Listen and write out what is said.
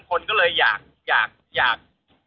คนก็เลยอยากอยากอยาก